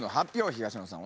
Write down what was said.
東野さん